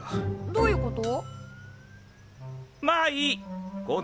どういうこと？